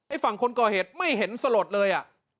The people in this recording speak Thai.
ฝั่งคนก่อเหตุไม่เห็นสลดเลย